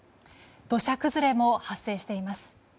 土砂崩れも発生しています。